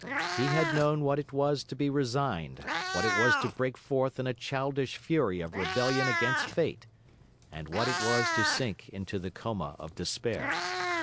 He had known what it was to be resigned, what it was to break forth in a childish fury of rebellion against fate, and what it was to sink into the coma of despair.